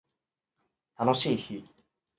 楽しい日